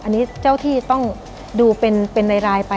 อันนี้เจ้าที่ต้องดูเป็นรายไป